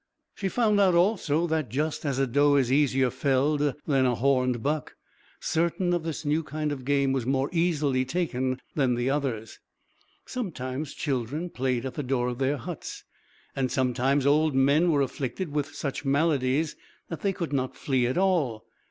She found out also that, just as a doe is easier felled than a horned buck, certain of this new kind of game were more easily taken than the others. Sometimes children played at the door of their huts, and sometimes old men were afflicted with such maladies that they could not flee at all.